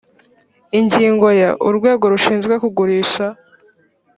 ingingo ya…: urwego rushinzwe kugurisha